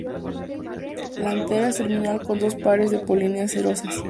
La antera es terminal con dos pares de polinias cerosas.